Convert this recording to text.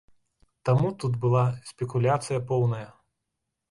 Таму тут была спекуляцыя поўная.